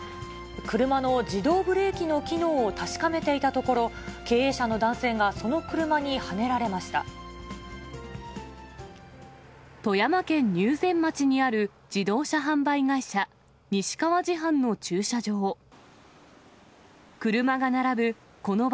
車の自動ブレーキの機能を確かめていたところ、経営者の男性がそ富山県入善町にある自動車販売会社、西川自販の駐車場。